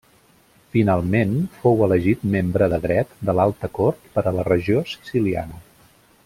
Finalment, fou elegit membre de dret de l'Alta Cort per a la Regió Siciliana.